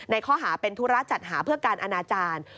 ข้อหาเป็นธุระจัดหาเพื่อการอนาจารย์